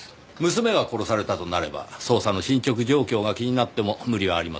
娘が殺されたとなれば捜査の進捗状況が気になっても無理はありませんねぇ。